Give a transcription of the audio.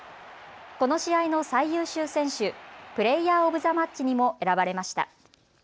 この試合の最優秀選手、プレーヤーオブザマッチにも選ばれました。